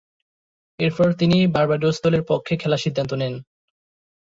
এরপর তিনি বার্বাডোস দলের পক্ষে খেলার সিদ্ধান্ত নেন।